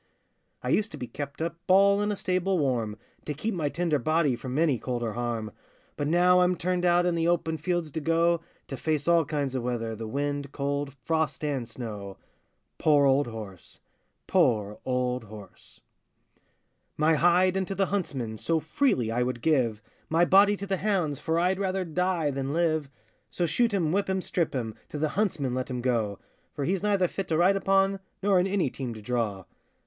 I used to be kept up All in a stable warm, To keep my tender body From any cold or harm; But now I'm turned out In the open fields to go, To face all kinds of weather, The wind, cold, frost, and snow. Poor old horse! poor old horse! My hide unto the huntsman So freely I would give, My body to the hounds, For I'd rather die than live: So shoot him, whip him, strip him, To the huntsman let him go; For he's neither fit to ride upon, Nor in any team to draw.